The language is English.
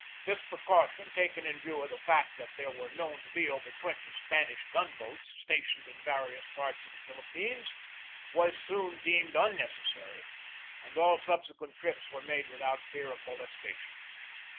This precaution, taken in view of the fact that there were known to be over twenty Spanish gun boats stationed in various parts of the Philippines, was soon deemed unnecessary, and all subsequent trips were made without fear of molestation.